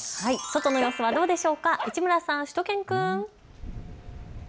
外の様子はどうですか、市村さん、しゅと犬くん。